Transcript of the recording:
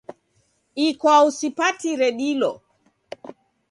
Ikwau sipatire dilo